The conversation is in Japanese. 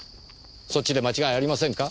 そっちで間違いありませんか？